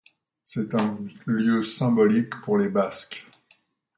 C'est un lieu symbolique pour les Basques.